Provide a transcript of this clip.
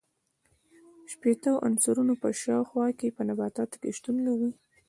شپیتو عنصرونو په شاوخوا کې په نباتاتو کې شتون لري.